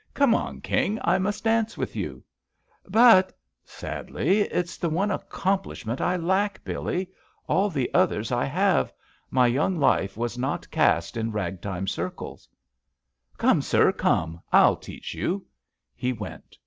"Come on, King, I must dance with you 1" "But," sadly, "it's the one accomplishment I lack, Billee. All the others I have. My young life was not cast in ragtime circles." "Come, sir, comel I'll teach you!" He went.